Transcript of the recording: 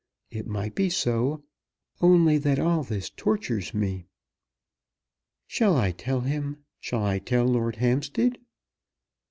It might be so, only that all this tortures me." "Shall I tell him; shall I tell Lord Hampstead?"